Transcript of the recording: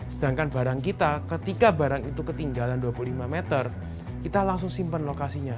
sedangkan barang kita ketika barang itu ketinggalan dua puluh lima meter kita langsung simpan lokasinya